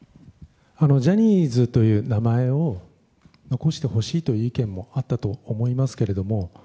ジャニーズという名前を残してほしいという意見もあったと思いますけれども。